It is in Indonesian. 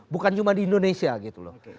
bukan cuma di indonesia gitu loh